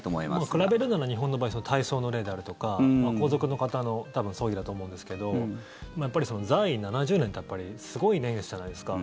比べるなら日本の場合、大喪の礼であるとか皇族の方の葬儀だと思うんですけどやっぱり在位７０年ってすごい年月じゃないですか。